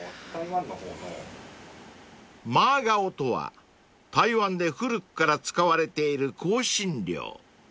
［馬告とは台湾で古くから使われている香辛料］